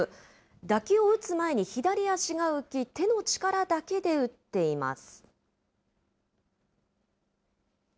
打球を打つ前に左足が浮き、手の力だけで打っています。